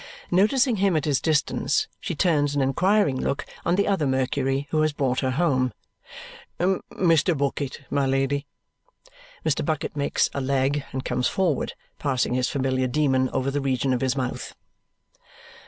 Noticing him at his distance, she turns an inquiring look on the other Mercury who has brought her home. "Mr. Bucket, my Lady." Mr. Bucket makes a leg and comes forward, passing his familiar demon over the region of his mouth.